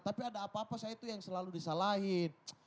tapi ada apa apa saya itu yang selalu disalahin